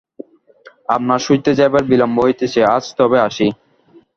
আপনার শুইতে যাইবার বিলম্ব হইতেছে, আজ তবে আসি।